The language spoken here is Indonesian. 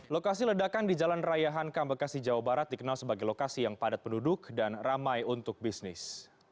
lokasi ledakan di jalan raya hankam bekasi jawa barat dikenal sebagai lokasi yang padat penduduk dan ramai untuk bisnis